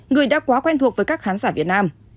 người đã quá quen thuộc với các khán giả việt nam